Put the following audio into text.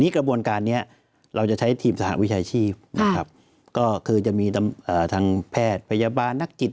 กระบวนการนี้เราจะใช้ทีมสหาวิชัยชีพคือจะมีทั้งแพทย์พยาบาลนักจิต